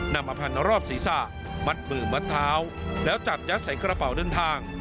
นำมาพันรอบศีรษะมัดมือมัดเท้าแล้วจับยัดใส่กระเป๋าเดินทาง